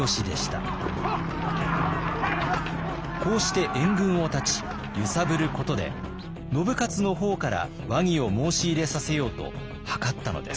こうして援軍を断ち揺さぶることで信雄の方から和議を申し入れさせようと謀ったのです。